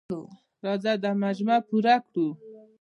راځه دا مجموعه پوره کړو.